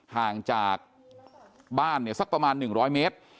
ห่างจากบ้านซักประมาณ๑๐๐เมตร